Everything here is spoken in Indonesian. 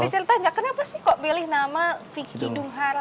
bisa diceritain gak kenapa sih kok pilih nama viki kidung hara